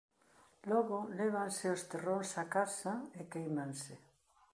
Logo lévanse os terróns á casa e quéimanse.